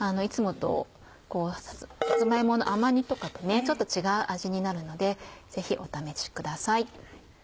いつもとさつま芋の甘味とかとちょっと違う味になるのでぜひお試しください。